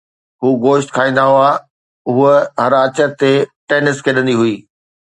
هو گوشت کائيندا هئا، هوءَ هر آچر تي ٽينس کيڏندي هئي